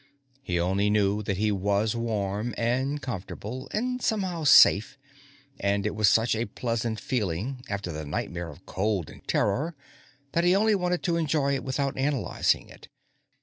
He only knew that he was warm and comfortable and somehow safe, and it was such a pleasant feeling after the nightmare of cold and terror that he only wanted to enjoy it without analyzing it.